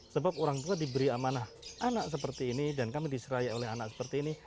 sebab orang tua diberi amanah anak seperti ini dan kami diserai oleh anak seperti ini